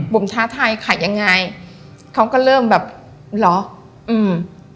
บุ๋มท้าทายขายยังไงเขาก็เริ่มแบบหรออืม